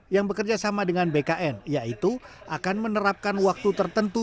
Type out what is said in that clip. yang bekerja sama dengan bkn yaitu akan menerapkan waktu tertentu